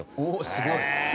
すごい。